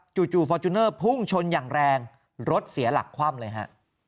ฟอร์จูเนอร์พุ่งชนอย่างแรงรถเสียหลักคว่ำเลยฮะ